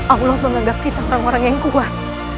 allah menganggap kita orang orang yang kuat